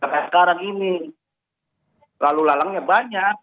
sampai sekarang ini lalu lalangnya banyak